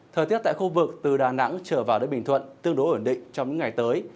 thời tiết tại khu vực từ đà nẵng trở vào đến bình thuận tương đối ổn định trong những ngày tới